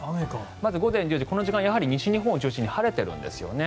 まず午前１０時この時間、西日本を中心に晴れてるんですよね。